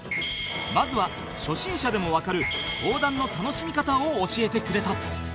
まずは初心者でもわかる講談の楽しみ方を教えてくれた